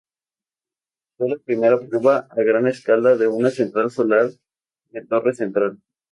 Fue la primera prueba a gran escala de una central solar de torre central.